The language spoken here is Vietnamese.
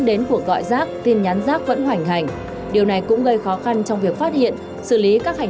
à luật là ta đi ngược chiều này